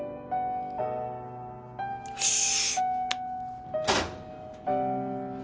よし。